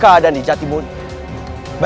keadaan di jati mulia